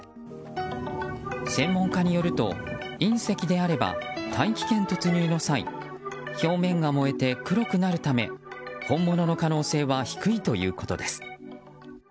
専門家によると隕石であれば大気圏突入の表面が燃えて黒くなるため本物の可能性は低いということです。